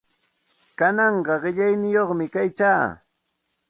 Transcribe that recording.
Kananqa qillayniyuqmi kaykaa.